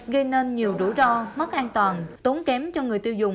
gây nên nhiều rủi ro mất an toàn tốn kém cho người tiêu dùng và bất ổn